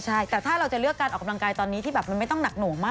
ใช่แต่ถ้าเราจะเลือกการออกกำลังกายตอนนี้ที่แบบมันไม่ต้องหนักหน่วงมาก